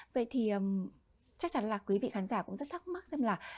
vậy thì chắc chắn là quý vị khán giả cũng rất thắc mắc xem là